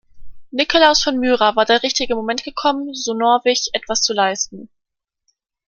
Nikolaus von Myra war der richtige Moment gekommen, so Norwich, etwas zu leisten.